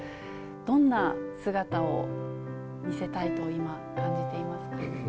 どんな姿を見せたいと、今、感じていますか。